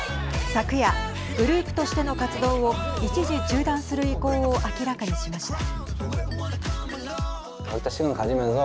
昨夜、グループとしての活動を一時中断する意向を明らかにしました。